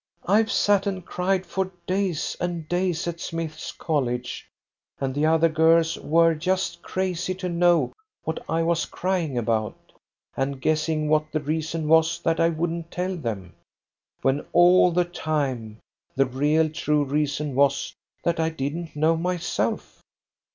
I've sat and cried for days and days at Smith's College, and the other girls were just crazy to know what I was crying about, and guessing what the reason was that I wouldn't tell them, when all the time the real true reason was that I didn't know myself.